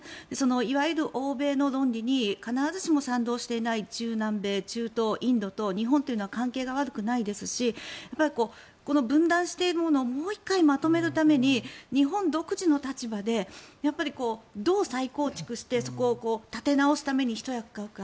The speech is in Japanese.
いわゆる欧米の論理に必ずしも賛同していない中南米、中東、インドと日本というのは関係が悪くないですしこの分断しているものをもう１回まとめるために日本独自の立場でどう再構築してそこを立て直すためにひと役買うか。